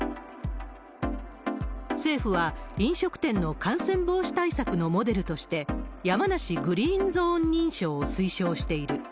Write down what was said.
政府は、飲食店の感染防止対策のモデルとして、やまなしグリーン・ゾーン認証を推奨している。